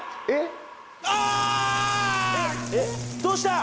えっ？